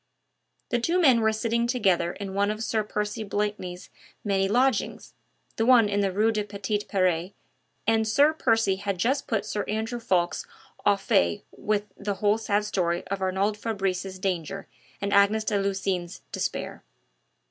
The two men were sitting together in one of Sir Percy Blakeney's many lodgings the one in the Rue des Petits Peres and Sir Percy had just put Sir Andrew Ffoulkes au fait with the whole sad story of Arnould Fabrice's danger and Agnes de Lucines' despair.